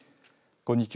こんにちは。